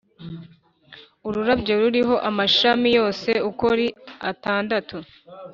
ururabyo ruriho amashami yose uko ari atandatu